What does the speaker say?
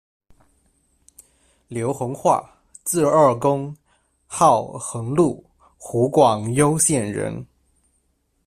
刘弘化，字贰公，号衡麓，湖广攸县人。